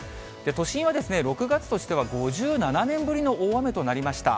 都心は６月としては５７年ぶりの大雨となりました。